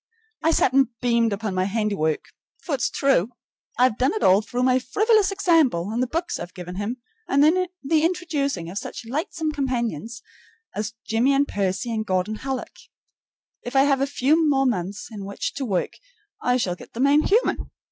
I sat and beamed upon my handiwork, for it's true, I've done it all through my frivolous example and the books I've given him and the introducing of such lightsome companions as Jimmie and Percy and Gordon Hallock. If I have a few more months in which to work, I shall get the man human.